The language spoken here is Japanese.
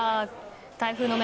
台風の目